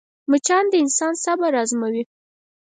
مچان د انسان صبر ازموي